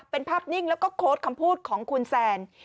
เป็นภาพนิ่งแล้วก็โค้ดคำพูดของคุณแซน